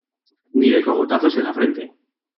ni de cogotazos en la frente.